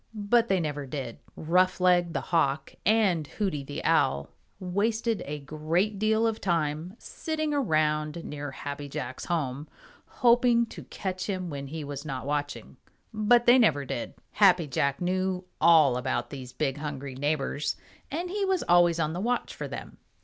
But they never did. Roughleg the Hawk and Hooty the Owl wasted a great deal of time, sitting around near Happy Jack's home, hoping to catch him when he was not watching, but they never did. Happy Jack knew all about these big hungry neighbors, and he was always on the watch for them.